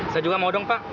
saya juga mau dong pak